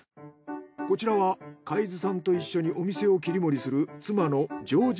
こちらは海津さんと一緒にお店を切り盛りする。